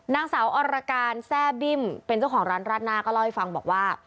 นางสาวอรการแซ่บิ้มเป็นเจ้าของร้านราดหน้าก็เล่าให้ฟังบอกว่า